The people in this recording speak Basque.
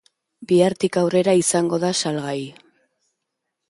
Bihartik aurrera izango da salgai.